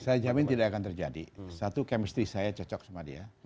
saya jamin tidak akan terjadi satu chemistry saya cocok sama dia